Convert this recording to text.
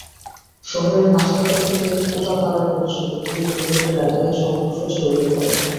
শহরের হাসপাতাল থেকে কোটাপাড়া পর্যন্ত তিন কিলোমিটার এলাকায় সংঘর্ষ ছড়িয়ে পড়ে।